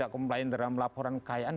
komplain dalam laporan kekayaan